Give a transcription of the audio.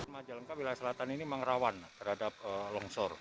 majalengka wilayah selatan ini memang rawan terhadap longsor